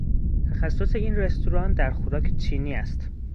تخصص این رستوران در خوراک چینی است.